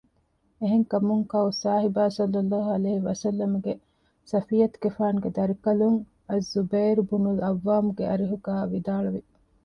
އެހެންކަމުން ކައުސާހިބާ ޞައްލަﷲ ޢަލައިހި ވަސައްލަމަގެ ޞަފިއްޔަތުގެފާނުގެ ދަރިކަލުން އައްޒުބައިރު ބުނުލް ޢައްވާމުގެ އަރިހުގައި ވިދާޅުވި